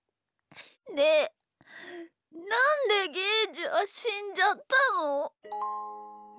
ねえなんでゲージはしんじゃったの？